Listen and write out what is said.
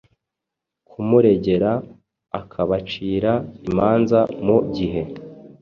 kumuregera akabacira imanza mu gihe